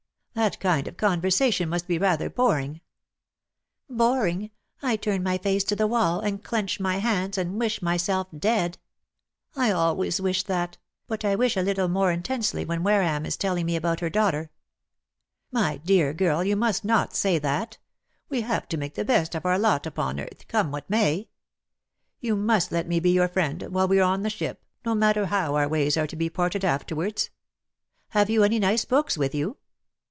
"That kind of conversation must be rather boring." "Boring! I turn my face to the wall, and clench my hands, and wish myself dead. I always wish that; but I wish a little more intensely when Wareham is telling me about her daughter." "My dear girl, you must not say that. We have to make the best of our lot upon earth, come what may. You must let me be your friend, wliile we are on the ship, no matter how our ways are to be parted afterwards. Have you any nice books with you?